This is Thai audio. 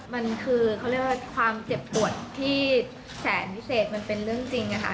มันคือเขาเรียกว่าความเจ็บปวดที่แสนพิเศษมันเป็นเรื่องจริงค่ะ